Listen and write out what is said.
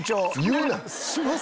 言うな！